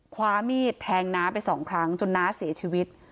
คว้ามีดแทงน้าไปสองครั้งจนน้าเสียชีวิต